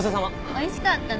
おいしかったね。